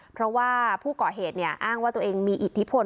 เพราะว่าผู้ก่อเหตุอ้างว่าตัวเองมีอิทธิพล